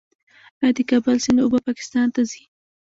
آیا د کابل سیند اوبه پاکستان ته ځي؟